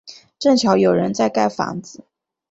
正巧有人在盖房子